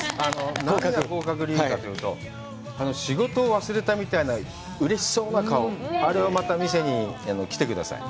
何が合格理由かというと、仕事を忘れたみたいな、うれしそうな顔、あれをまた見せに来てください。